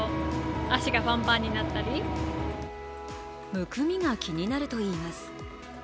むくみが気になるといいます。